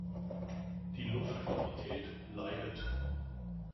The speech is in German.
Die Luftqualität leidet.